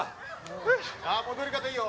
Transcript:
「戻り方いいよ。